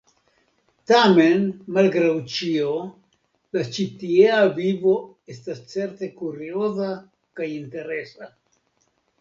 Tamen, malgraŭ ĉio, la ĉitiea vivo estas certe kurioza kaj interesa.